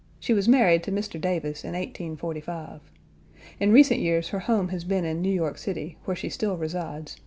She was married to Mr. Davis in 1845. In recent years her home has been in New York City, where she still resides (Dec.